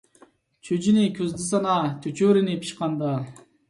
چۈجىنى كۈزدە سانا، چۆچۈرىنى پىشقاندا